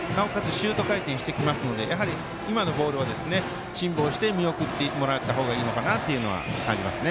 シュート回転してきますので今のボールは辛抱して見送ってもらったほうがいいかなと感じますね。